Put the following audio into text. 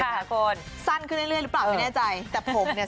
ค่ะคุณสั้นขึ้นเรื่อยหรือเปล่าไม่แน่ใจแต่ผมเนี่ย